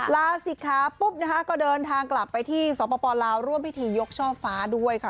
ลาศิกขาปุ๊บนะคะก็เดินทางกลับไปที่สปลาวร่วมพิธียกช่อฟ้าด้วยค่ะ